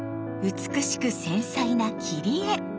美しく繊細な切り絵！